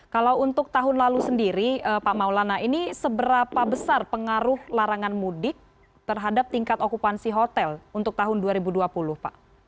kalau untuk tahun lalu sendiri pak maulana ini seberapa besar pengaruh larangan mudik terhadap tingkat okupansi hotel untuk tahun dua ribu dua puluh pak